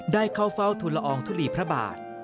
ได้เข้าเฝ้าทุลอองทุลีพระบาท